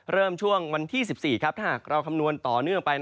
ช่วงวันที่๑๔ถ้าหากเราคำนวณต่อเนื่องไป